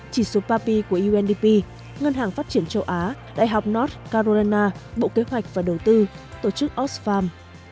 chỉ số papi của undp ngân hàng phát triển châu á đại học north carorena bộ kế hoạch và đầu tư tổ chức osfarm